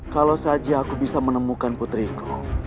kalau saja aku bisa menemukan putriku